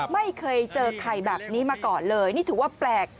ไม่เคยเจอไข่แบบนี้มาก่อนเลยนี่ถือว่าแปลก